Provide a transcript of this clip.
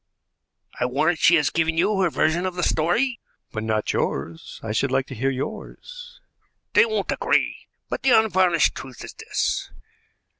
"I warrant she has given you her version of the story." "But not yours. I should like to hear yours." "They won't agree; but the unvarnished truth is this.